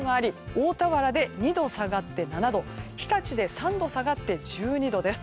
大田原で２度下がって７度日立で３度下がって１２度です。